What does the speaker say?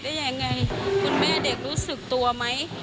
ทำไมไม่ส่งเขาไป